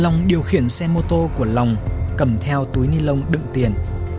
long điều khiển xe mô tô của lòng cầm theo túi ni lông đựng tiền